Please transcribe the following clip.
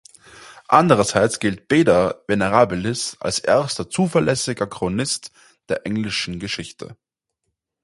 Andererseits gilt Beda Venerabilis als erster zuverlässiger Chronist der englischen Geschichte.